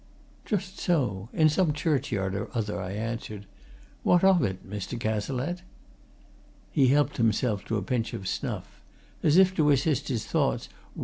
"Just so in some churchyard or other," I answered. "What of it, Mr. Cazalette?" He helped himself to a pinch of snuff, as if to assist his thoughts.